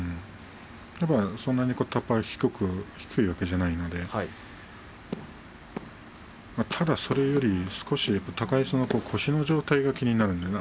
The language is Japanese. そんなに、たっぱが低いわけではないのでただ、それより少し高安の腰の状態が気になるんですよね。